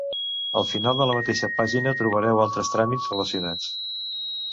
Al final de la mateixa pàgina trobareu altres tràmits relacionats.